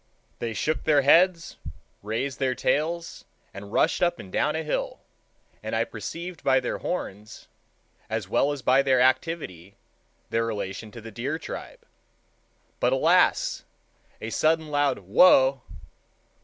They shook their heads, raised their tails, and rushed up and down a hill, and I perceived by their horns, as well as by their activity, their relation to the deer tribe. But, alas! a sudden loud Whoa!